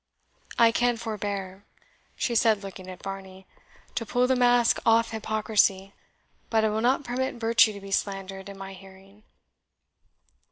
I can forbear," she said, looking at Varney, "to pull the mask off hypocrisy, but I will not permit virtue to be slandered in my hearing."